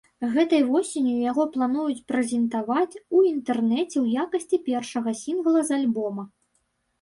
Гэтай восенню яго плануюць прэзентаваць у інтэрнэце ў якасці першага сінгла з альбома.